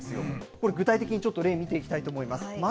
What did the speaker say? これ、具体的にちょっと例、見ていきたいと思います。